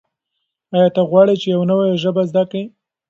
آیا ته غواړې چې یو نوی ژبه زده کړې؟